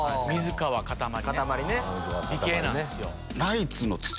美形なんですよ。